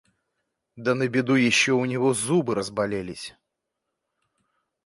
Да на беду еще у него зубы разболелись.